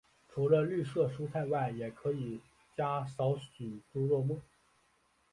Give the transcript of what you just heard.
除了绿色蔬菜以外也可以加少许猪肉末。